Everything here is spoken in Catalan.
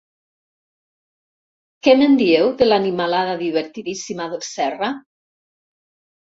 Què me'n dieu de l'animalada divertidíssima del Serra?